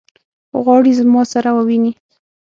غواړي زما سره وویني.